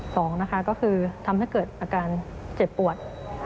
สองคือทำให้เกิดอาการเจ็บปวด